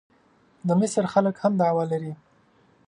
د مصر خلک هم دعوه لري.